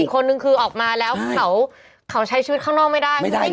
อีกคนหนึ่งคือออกมาแล้วเขาเขาใช้ชีวิตข้างนอกไม่ได้ไม่ได้แล้ว